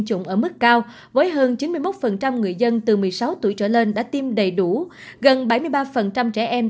chủng ở mức cao với hơn chín mươi một người dân từ một mươi sáu tuổi trở lên đã tiêm đầy đủ gần bảy mươi ba trẻ em